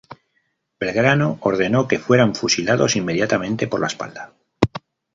Belgrano ordenó que fueran fusilados inmediatamente por la espalda.